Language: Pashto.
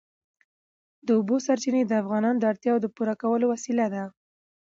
د اوبو سرچینې د افغانانو د اړتیاوو د پوره کولو وسیله ده.